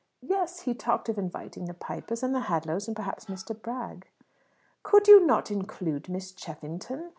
"Yes. He talked of inviting the Pipers, and the Hadlows, and perhaps Mr. Bragg." "Could you not include Miss Cheffington?